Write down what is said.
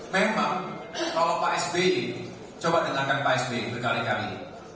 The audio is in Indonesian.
memang kalau pak sby coba dengarkan pak sby berkali kali